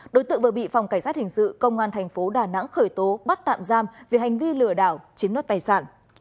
đối tượng vừa bị phòng cảnh sát hình sự công an thành phố đà nẵng khởi tố bắt tạm giam vì hành vi lừa đảo chiếm đoạt tài sản